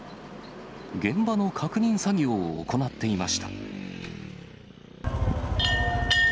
現場の確認作業を行っていました。